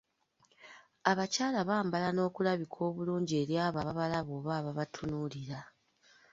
Abakyala bambala n’okulabika obulungi eri abo ababalaba oba ababatunuulira.